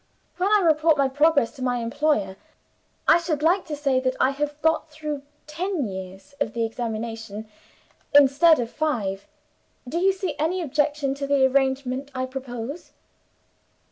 When I report my progress to my employer, I should like to say that I have got through ten years of the examination, instead of five. Do you see any objection to the arrangement I propose?"